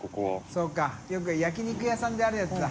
よく焼き肉屋さんであるやつだ。